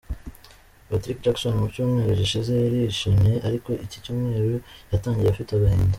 Paris Jackson, mu cyumweru gishize yari yishimye ariko iki cyumweru cyatangiye afite agahinda.